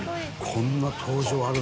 「こんな登場ある？」。